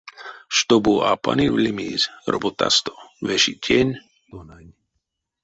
Штобу а паневлимизь роботасто, веши тень, тонань.